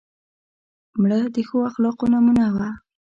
مړه د ښو اخلاقو نمونه وه